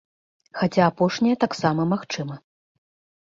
Хаця апошняе таксама магчыма.